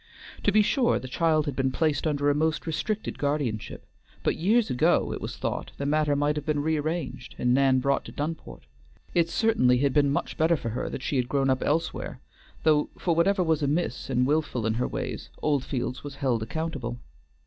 To be sure the child had been placed under a most restricted guardianship; but years ago, it was thought, the matter might have been rearranged, and Nan brought to Dunport. It certainly had been much better for her that she had grown up elsewhere; though, for whatever was amiss and willful in her ways, Oldfields was held accountable.